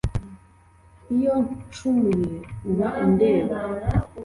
iyo ncumuye uba undeba